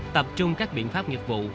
tập trung các biện pháp nghiệp vụ